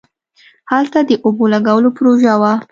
هلته د اوبو لگولو پروژه وه.